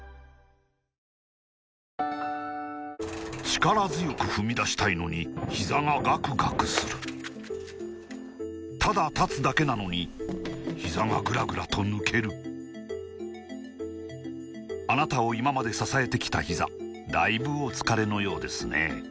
力強く踏み出したいのにひざがガクガクするただ立つだけなのにひざがグラグラと抜けるあなたを今まで支えてきたひざだいぶお疲れのようですね